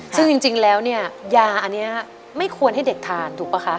ซึ่งจริงแล้วเนี่ยยาอันนี้ไม่ควรให้เด็กทานถูกป่ะคะ